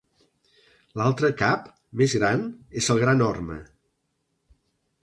L'altre cap, més gran, és el Gran Orme.